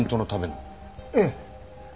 ええ。